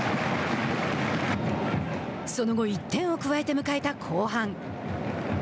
その後、１点を加えて迎えた後半。